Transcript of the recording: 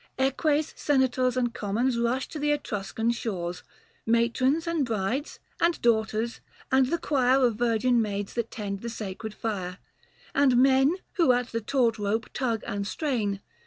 Eques, Senators, And Commons rush to the Etruscan shores, Matrons and brides, and daughters, and the quire Of virgin maids that tend the sacred fire, And men, who at the taut rope tug and strain.